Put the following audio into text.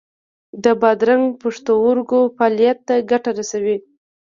د بادرنګ د پښتورګو فعالیت ته ګټه رسوي.